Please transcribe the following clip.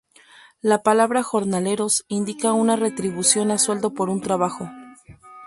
La palabra "jornaleros" indica una retribución a sueldo por un trabajo.